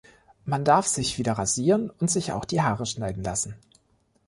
Man darf sich wieder rasieren und sich auch die Haare schneiden lassen.